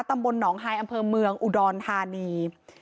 ตำบลหนองฮายอำเภอเมืองอุดรธานี